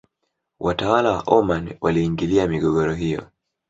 Watawala wa omani waliingilia migogoro hiyo